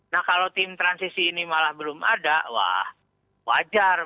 nah kalau tim transisi ini malah belum ada wah wajar